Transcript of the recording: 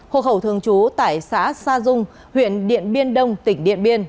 hộ khẩu thường trú tại xã sa dung huyện điện biên đông tỉnh điện biên